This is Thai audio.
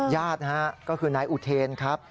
ญาตินะฮะก็คือนายอุเทนครับ